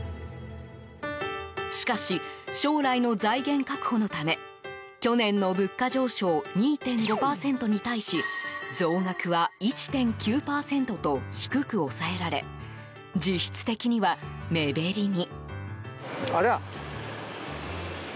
しかし、将来の財源確保のため去年の物価上昇２．５％に対し増額は１．９％と低く抑えられ実質的には目減りに。